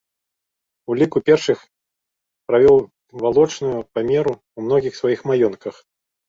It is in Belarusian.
У ліку першых правёў валочную памеру ў многіх сваіх маёнтках.